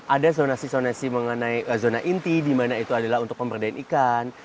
ada zonasi zonasi mengenai zona inti di mana itu adalah untuk pemberdayaan ikan